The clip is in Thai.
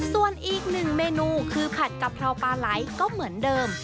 ส่วนอีกหนึ่งเมนูคือผัดกะเพราปลาไหลก็เหมือนเดิม